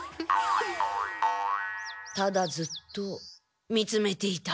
ただずっと見つめていた。